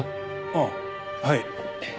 ああはい。